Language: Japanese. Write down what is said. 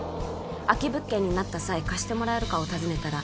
空き物件になった際貸してもらえるかを尋ねたら